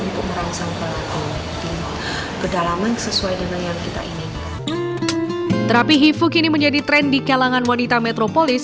terapi hifu kini menjadi tren di kalangan wanita metropolis